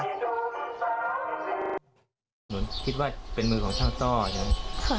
นี่ไงน้องก็เชื่อว่าเป็นมือของช่างต้อจริง